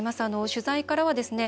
取材からはですね